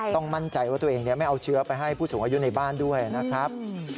ต้องมั่นใจว่าตัวเองไม่เอาเชื้อไปให้ผู้สูงอายุในบ้านด้วยนะครับ